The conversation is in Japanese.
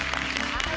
はい。